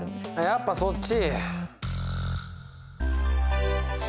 やっぱそっち。